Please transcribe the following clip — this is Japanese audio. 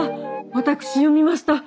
私読みました。